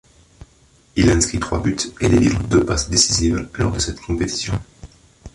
Il inscrit trois buts et délivre deux passes décisives lors de cette compétition.